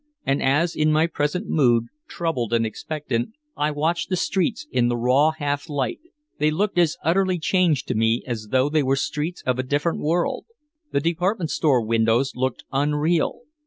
And as in my present mood, troubled and expectant, I watched the streets in the raw half light, they looked as utterly changed to me as though they were streets of a different world. The department store windows looked unreal.